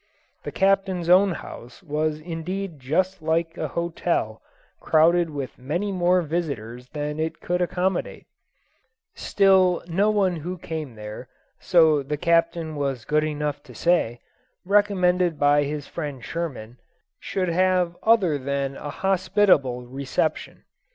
The Captain's own house was indeed just like an hotel crowded with many more visitors than it could accommodate; still no one who came there, so the Captain was good enough to say, recommended by his friend Sherman, should have other than an hospitable reception.